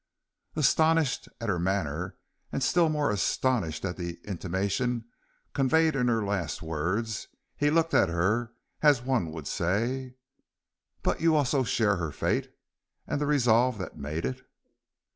Astonished at her manner and still more astonished at the intimation conveyed in her last words, he looked at her as one who would say: "But you also share her fate and the resolve that made it."